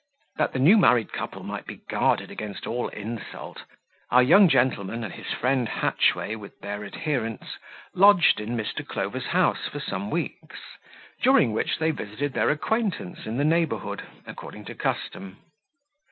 That the new married couple might be guarded against all insult, our young gentleman and his friend Hatchway, with their adherents, lodged in Mr. Clover's house for some weeks; during which they visited their acquaintance in the neighbourhood, according to custom.